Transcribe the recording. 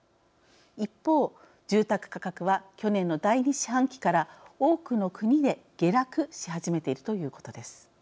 一方住宅価格は去年の第２四半期から多くの国で下落しはじめているということです。